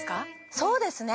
そうですね。ね？